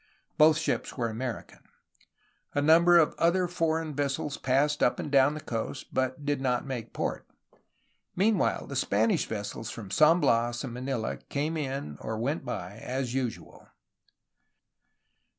Both ships were American. A number of other foreign vessels passed up and down the coast, but did not make port. Meanwhile, the Spanish ves sels from San Bias and Manila came in or went by, as usual.